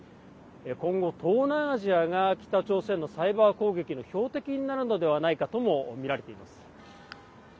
今後、東南アジアが北朝鮮のサイバー攻撃の標的になるのではないかともみられています。